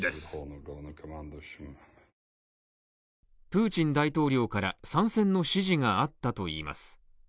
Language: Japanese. プーチン大統領から参戦の指示があったといいます。